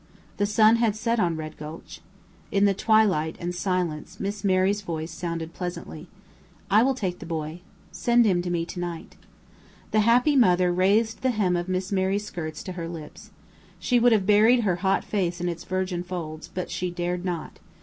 The sun had set on Red Gulch. In the twilight and silence Miss Mary's voice sounded pleasantly. "I will take the boy. Send him to me tonight." The happy mother raised the hem of Miss Mary's skirts to her lips. She would have buried her hot face in its virgin folds, but she dared not.